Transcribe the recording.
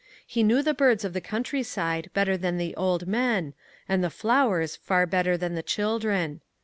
He knew the birds of the countryside better than the old men, and the flowers far better than the children.